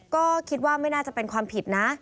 ก็คิดว่าไม่น่าจะเป็นความผิดนะ